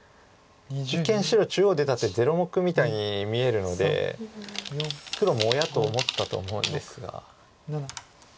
一見白中央出た手０目みたいに見えるので黒も「おや？」と思ったと思うんですが。